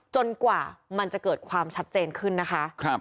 กว่ามันจะเกิดความชัดเจนขึ้นนะคะ